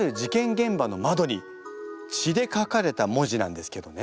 現場の窓に血で書かれた文字なんですけどね。